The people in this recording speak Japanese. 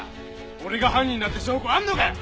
俺が犯人だって証拠はあるのかよ？